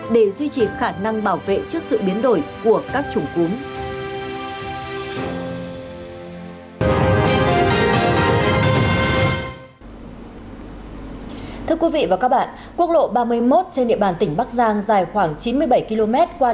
để duy trì khả năng bảo vệ trước sự biến đổi của các chủng cúm